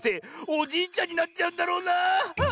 おじいちゃんになっちゃうんだろうなあ。